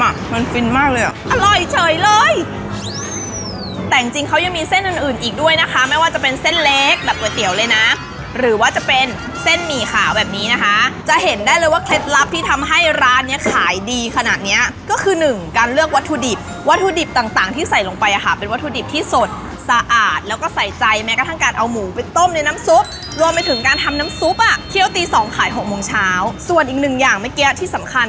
อ่ะมันฟินมากเลยอ่ะอร่อยเฉยเลยแต่จริงเขายังมีเส้นอื่นอื่นอีกด้วยนะคะไม่ว่าจะเป็นเส้นเล็กแบบก๋วยเตี๋ยวเลยน่ะหรือว่าจะเป็นเส้นหมี่ขาวแบบนี้นะคะจะเห็นได้เลยว่าเคล็ดลับที่ทำให้ร้านเนี้ยขายดีขนาดเนี้ยก็คือหนึ่งการเลือกวัตถุดิบวัตถุดิบต่างต่างที่ใส่ลงไปอ่ะค่ะเป็นวัตถุดิบท